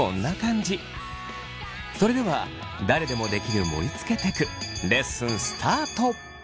それでは誰でもできる盛りつけテクレッスンスタート！